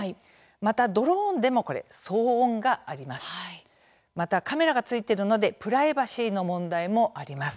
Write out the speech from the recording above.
また、ドローンでも騒音があります。